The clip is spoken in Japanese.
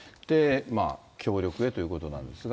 協力へということなんですが。